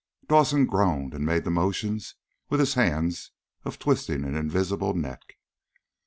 Dawson groaned and made the motions with his hands of twisting an invisible neck.